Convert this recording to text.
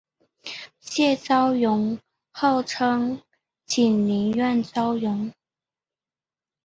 谢昭容号称景宁园昭容。